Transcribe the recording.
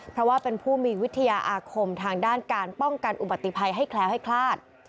เพราะว่าเป็นผู้มีวิทยาอาคมทางด้านการป้องกันอุบัติภัยให้แคล้วให้คลาด